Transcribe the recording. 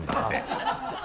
ハハハ